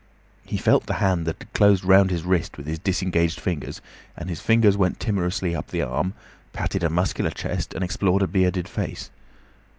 He felt the hand that had closed round his wrist with his disengaged fingers, and his fingers went timorously up the arm, patted a muscular chest, and explored a bearded face.